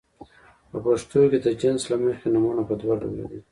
په پښتو کې د جنس له مخې نومونه په دوه ډوله دي.